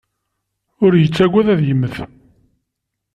Ur yettagad ad yemmet.